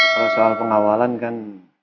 kalau soal pengawalan kan